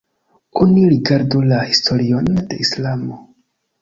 Oni rigardu la historion de islamo.